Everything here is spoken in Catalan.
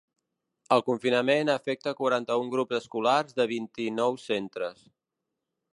El confinament afecta quaranta-un grups escolars de vint-i-nou centres.